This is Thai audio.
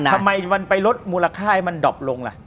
ทำไมมันไปลดมูลค่าให้มันดอบลงล่ะ